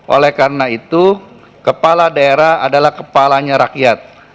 oleh karena itu kepala daerah adalah kepalanya rakyat